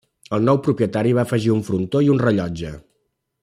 El nou propietari va afegir un frontó i un rellotge.